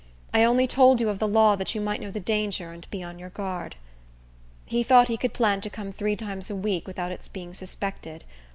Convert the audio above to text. I only told you of the law, that you might know the danger, and be on your guard." He thought he could plan to come three times a week without its being suspected.